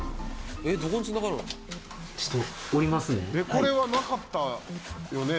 これはなかったよね？